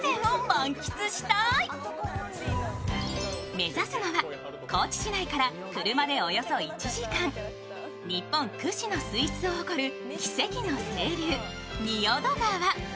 目指すのは、高知市内から車でおよそ１時間、日本屈指の水質を誇る奇跡の清流、仁淀川。